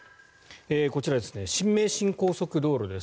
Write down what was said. こちら、新名神高速道路です。